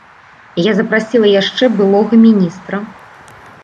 Я запрасіла яшчэ былога міністра.